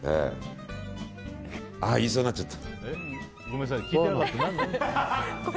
ああ言いそうになっちゃった。